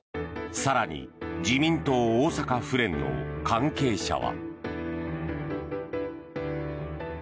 更に自民党大阪府連の関係者は。